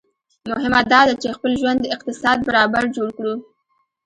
مهمه داده چي خپل ژوند د اقتصاد برابر جوړ کړو